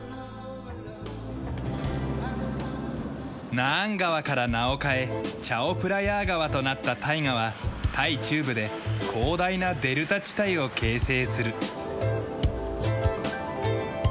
ナーン川から名を変えチャオプラヤー川となった大河はタイ中部で広大なデルタ地帯を形成する。